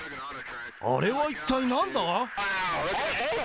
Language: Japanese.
あれは一体なんだ？